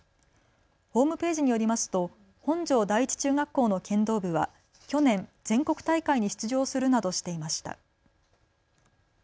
ホームページによりますと本庄第一中学校の剣道部は去年、全国大会に出場するなどしていました。